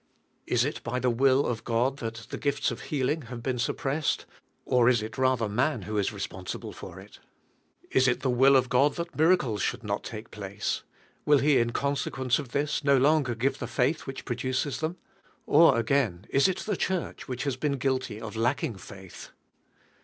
Is it by the will of God that the "gifts of healing" have been suppressed, or is it rather man who is responsible for it? Is it the will of God that miracles should not take place? Will He in consequence of this no longer give the faith which pro duces them? Or again, is it the Church whioh has been guilty of lacking faith?